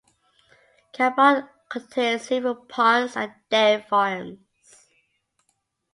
Cabot contains several ponds, and dairy farms.